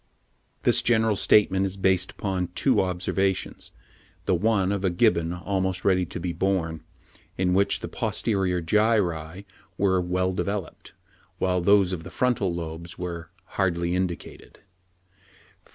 This general statement is based upon two observations, the one of a Gibbon almost ready to be born, in which the posterior gyri were "well developed," while those of the frontal lobes were "hardly indicated" (77.